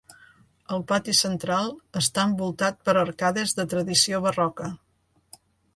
El pati central està envoltat per arcades de tradició barroca.